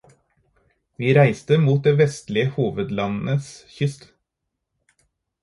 Vi reiste mot det vestlige hovedlandets kyst.